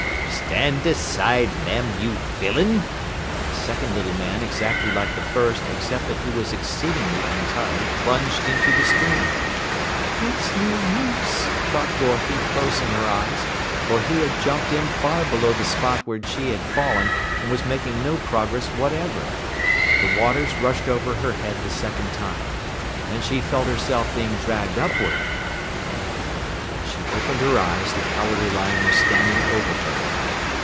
"Stand aside, Mem, you villain!" A second little man exactly like the first except that he was exceedingly untidy plunged into the stream. "It's no use," thought Dorothy, closing her eyes, for he had jumped in far below the spot where she had fallen and was making no progress whatever. The waters rushed over her head the second time. Then she felt herself being dragged upward. When she opened her eyes, the Cowardly Lion was standing over her.